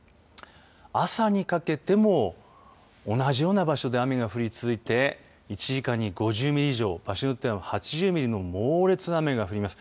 朝にかけても同じような場所で雨が降り続いて１時間に５０ミリ以上場所によっては８０ミリの猛烈な雨が降ります。